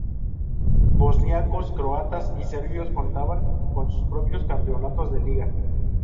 Bosníacos, Croatas y Serbios contaban con sus propios campeonatos de liga.